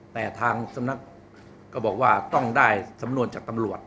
แต่ทางสำนักก็บอกว่าต้องได้สำนวนจากตำรวจ